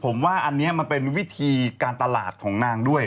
ผมว่าอันนี้มันเป็นวิธีการตลาดของนางด้วย